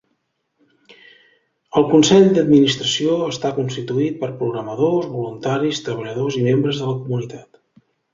El consell d'administració està constituït per programadors, voluntaris, treballadors i membres de la comunitat.